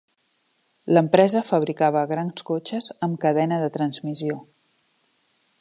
L'empresa fabricava grans cotxes amb cadena de transmissió.